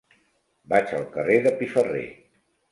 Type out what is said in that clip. Vaig al carrer de Piferrer.